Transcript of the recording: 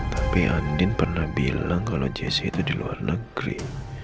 tapi andin pernah bilang kalau jesse itu di luar negeri